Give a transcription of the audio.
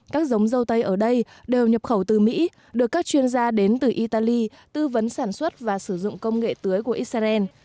các giống dâu tây ở đây đều nhập khẩu từ mỹ được các chuyên gia đến từ italy tư vấn sản xuất và sử dụng công nghệ tưới của israel